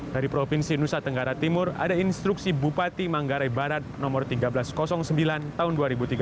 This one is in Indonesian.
dari provinsi nusa tenggara timur ada instruksi bupati manggarai barat nomor seribu tiga ratus sembilan tahun dua ribu tiga belas